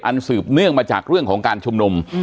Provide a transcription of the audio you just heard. สืบเนื่องมาจากเรื่องของการชุมนุม